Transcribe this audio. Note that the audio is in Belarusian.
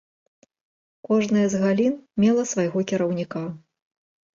Кожная з галін мела свайго кіраўніка.